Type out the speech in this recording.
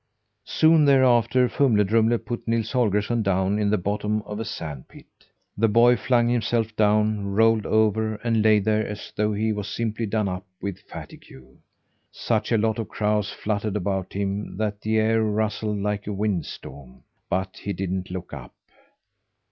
Soon thereafter Fumle Drumle put Nils Holgersson down in the bottom of a sandpit. The boy flung himself down, rolled over, and lay there as though he was simply done up with fatigue. Such a lot of crows fluttered about him that the air rustled like a wind storm, but he didn't look up.